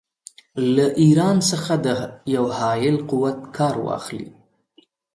له ایران څخه د یوه حایل قوت کار واخلي.